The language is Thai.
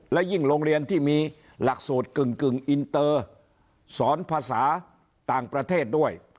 และยิ่งโรงเรียนที่มีหลักสูตรกึ่งอินเตอร์สอนภาษาต่างประเทศด้วย